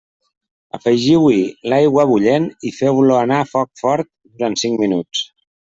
Afegiu-hi l'aigua bullent i feu-lo anar a foc fort durant cinc minuts.